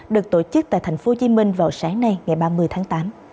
được tổ chức tại tp hcm vào sáng nay ngày ba mươi tháng tám